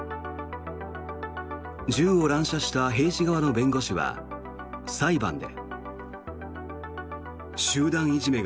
銃を乱射した兵士側の弁護士は裁判で。